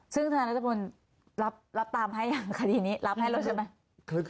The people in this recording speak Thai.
ซึ่งธนารัชพลรับตามให้อย่างคดีนี้รับให้แล้วใช่ไหม